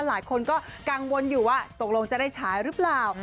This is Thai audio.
หลายคนก็กังวลอยู่ว่าตกลงจะได้ฉายหรือเปล่า